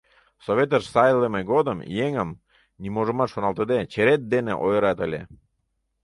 Советыш сайлыме годым еҥым, ниможымат шоналтыде, «черет» дене ойырат ыле.